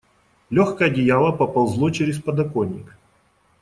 Легкое одеяло поползло через подоконник.